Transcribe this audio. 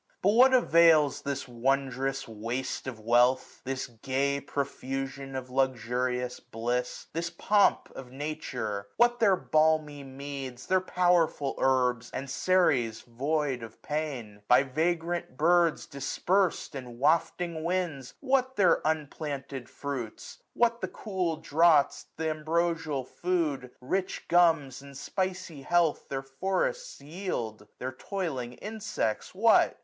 But what avails this wondrous waste of wealth ? This gay profusion of luxurious bliss ? 86 1 This pomp of Nature ? what their balmy meads. Their powerful herbs, and Ceres void of pain ? By vagrant birds dispers'd, and wafting winds. What their unplanted fruits ? What the cool draughts, Th' ambrosial food, rich gums, and spicy health, 866 Their forests yield ? Their toiling insects what